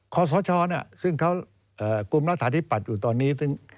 ขอสชซึ่งกลุ่มรัฐธาตุที่ปัดอยู่ตอนนี้